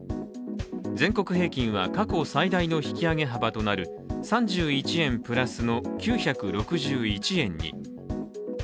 全国平均は過去最大の引き上げ幅となる３１円プラスの、９６１円に。